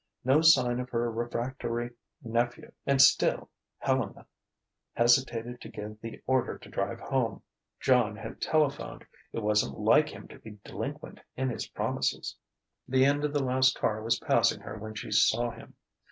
No sign of her refractory nephew. And still Helena hesitated to give the order to drive home; John had telephoned; it wasn't like him to be delinquent in his promises. The end of the last car was passing her when she saw him.